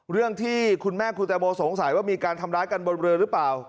เรื่องที่คุณแม่คุณแตงโมสงสัยว่ามีการทำร้ายกันบนเรือหรือเปล่า